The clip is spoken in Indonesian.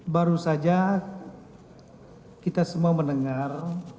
baru saja kita semua mendengar